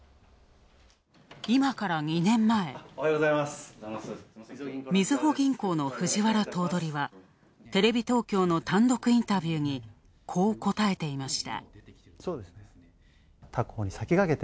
今から２年前、みずほ銀行の藤原頭取はテレビ東京の単独インタビューにこう答えていました。